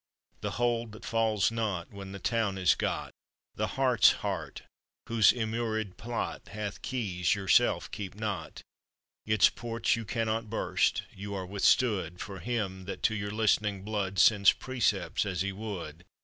The hold that falls not when the town is got, The heart's heart, whose immurèd plot Hath keys yourself keep not! Its ports you cannot burst you are withstood For him that to your listening blood Sends precepts as he would.